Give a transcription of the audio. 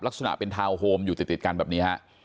ลักษณะเป็นทาวน์โฮมอยู่ติดกันแบบนี้ฮะ